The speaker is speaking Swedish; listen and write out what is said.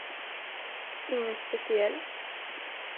Ingen speciell.